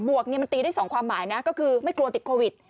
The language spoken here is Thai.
วกมันตีได้๒ความหมายนะก็คือไม่กลัวติดโควิด